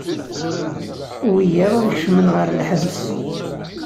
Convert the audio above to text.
Wiyaḍ ad kecmen ɣer lḥebs.